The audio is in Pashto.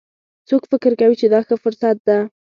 څوک فکر کوي چې دا ښه فرصت ده